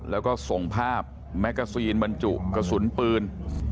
แล้วก็ส่งภาพแมกกาซีนบรรจุกระสุนปืน